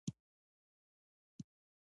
معلوماتو ته د خلکو لاسرسی اسانه کیږي.